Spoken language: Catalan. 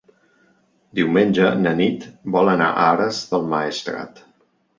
Diumenge na Nit vol anar a Ares del Maestrat.